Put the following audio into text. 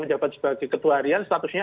menjabat sebagai ketua harian statusnya